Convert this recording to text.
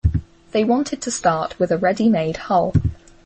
They wanted to start with a ready made hull.